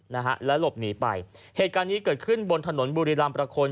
นะฮะแล้วหลบหนีไปเหตุการณ์นี้เกิดขึ้นบนถนนบุรีรำประคน